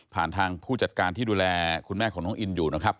ทางผู้จัดการที่ดูแลคุณแม่ของน้องอินอยู่นะครับ